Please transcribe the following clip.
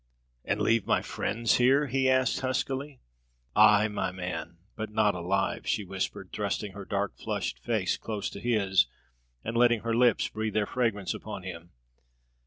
"And leave my friends here?" he asked, huskily. "Ay, my man, but not alive!" she whispered, thrusting her dark, flushed face close to his, and letting her lips breathe their fragrance upon him.